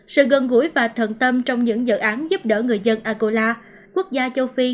sự gần gũi và thần tâm trong những dự án giúp đỡ người dân angola quốc gia châu phi